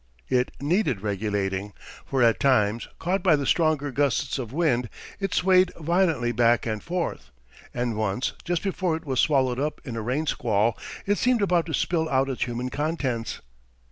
It needed regulating, for at times, caught by the stronger gusts of wind, it swayed violently back and forth; and once, just before it was swallowed up in a rain squall, it seemed about to spill out its human contents.